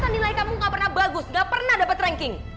nilai kamu nggak pernah bagus nggak pernah dapat ranking